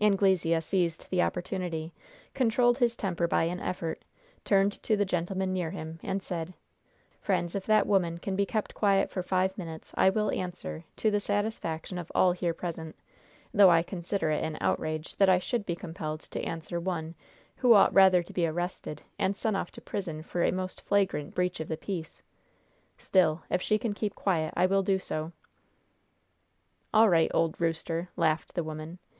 Anglesea seized the opportunity, controlled his temper by an effort, turned to the gentlemen near him, and said: "Friends, if that woman can be kept quiet for five minutes, I will answer, to the satisfaction of all here present though I consider it an outrage that I should be compelled to answer one who ought rather to be arrested and sent off to prison for a most flagrant breach of the peace! Still, if she can keep quiet, I will do so." "All right, old rooster!" laughed the woman.